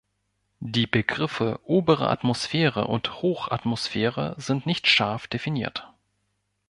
Die Begriffe obere Atmosphäre und Hochatmosphäre sind nicht scharf definiert.